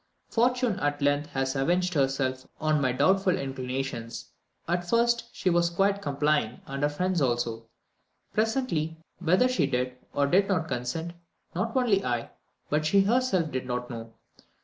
"Fortune at length has avenged herself on my doubtful inclinations. At first she was quite complying, and her friends also; presently, whether she did or did not consent, not only I, but she herself did not know.